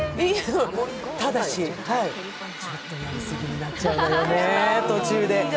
ただし、ちょっとやりすぎになっちゃうのよね。